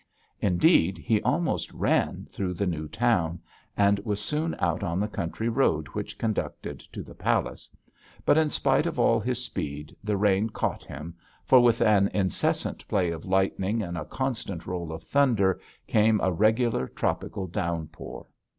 Indeed, he almost ran through the new town, and was soon out on the country road which conducted to the palace. But, in spite of all his speed, the rain caught him, for with an incessant play of lightning and a constant roll of thunder came a regular tropical downpour.